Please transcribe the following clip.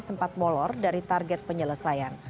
sempat molor dari target penyelesaian